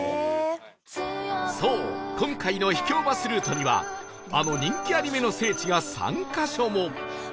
そう今回の秘境バスルートにはあの人気アニメの聖地が３カ所も